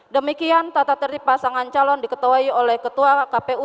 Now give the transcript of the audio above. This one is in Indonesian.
demikian tata tertib pasangan calon diketuai oleh ketua kpu